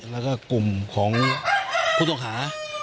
แล้วก็กลุ่มของผู้ต้องหา